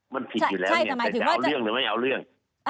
มันผิดอยู่แล้วเนี่ยแต่จะเอาเรื่องหรือไม่เอาเรื่อง